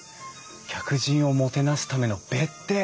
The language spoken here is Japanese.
客人をもてなすための別邸！